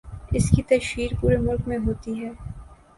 اس کی تشہیر پورے ملک میں ہوتی تھی۔